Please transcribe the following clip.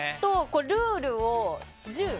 ルールを１０。